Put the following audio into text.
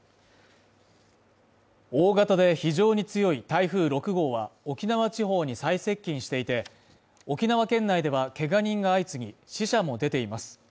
大型で非常に強い台風６号は沖縄地方に最接近していて沖縄県内ではけが人が相次ぎ死者も出ています